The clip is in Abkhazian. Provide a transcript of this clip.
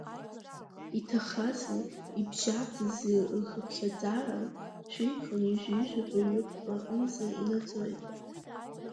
Иҭахази ибжьаӡызи рхыԥхьаӡара шәи хынҩажәижәабаҩык рҟынӡа инаӡоит…